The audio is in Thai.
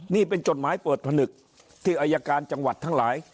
นี่เป็นจดหมายเปิดผนึกที่อายการจังหวัดทั้งหลาย